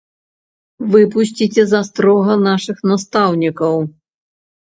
Выпусціце з астрога нашых настаўнікаў!